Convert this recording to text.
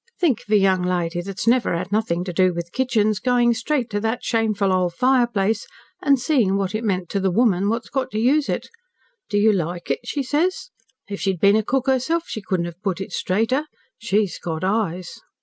"Think of a young lady that's never had nothing to do with kitchens, going straight to that shameful old fireplace, and seeing what it meant to the woman that's got to use it. 'Do you like it?' she says. If she'd been a cook herself, she couldn't have put it straighter. She's got eyes."